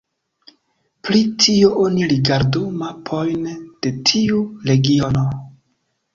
Pri tio oni rigardu mapojn de tiu regiono.